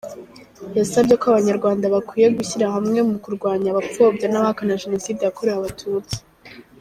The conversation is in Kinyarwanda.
Yasabye ko Abanyarwanda bakwiye gushyirahamwe mu kurwanya abapfobya n’abahakana Jenoside yakorewe Abatutsi.